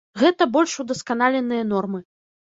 Гэта больш удасканаленыя нормы.